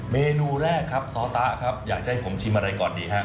เมนูแรกครับซ้อตะครับอยากจะให้ผมชิมอะไรก่อนดีฮะ